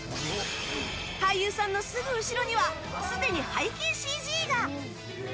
俳優さんのすぐ後ろにはすでに背景ＣＧが！